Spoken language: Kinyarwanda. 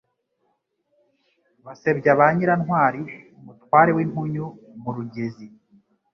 Basebya ba Nyirantwari :Umutware w'impunyu mu Rugezi